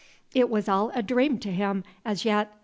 It was all a dream to him as yet.